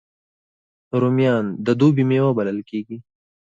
رومیان د دوبي میوه بلل کېږي